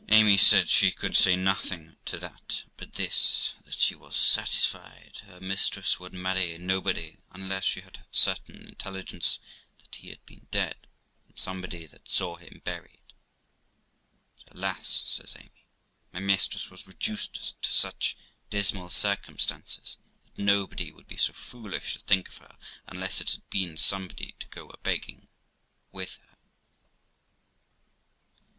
Amy said she could say nothing to that but this, that she was satisfied her mistress would marry nobody unless she had certain intelligence that he had been dead from somebody that saw him buried. 'But, alas!' says Amy, 'my mistress was reduced to such dismal circumstances that nobody would be so foolish to think of her, unless it had been somebody to go a begging with her.'